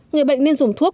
người bệnh nên dùng thuốc